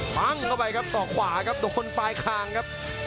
ปั้งเข้าไปครับศอกขวาครับโดนปลายคางครับ